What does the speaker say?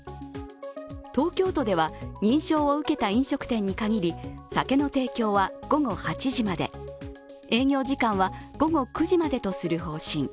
東京都では認証を受けた飲食店にかぎり、酒の提供は午後８時まで、営業時間は午後９時までとする方針。